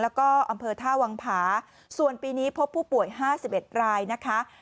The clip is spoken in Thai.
แล้วก็อำเภอท่าวังผาส่วนปีนี้พบผู้ป่วย๕๑รายนะคะ